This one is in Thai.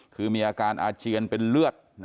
คือมีอาการอาเจียนเป็นเลือด